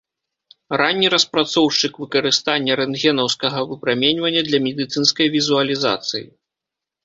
Ранні распрацоўшчык выкарыстання рэнтгенаўскага выпраменьвання для медыцынскай візуалізацыі.